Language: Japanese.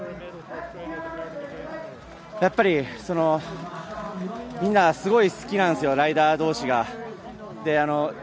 やっぱり、みんなすごい好きなんですよ、ライダー同士が。